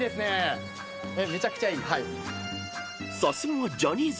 ［さすがはジャニーズアイドル］